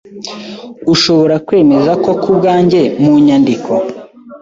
Ushobora kwemeza ko kubwanjye mu nyandiko?